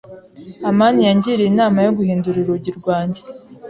amani yangiriye inama yo guhindura urugi rwanjye.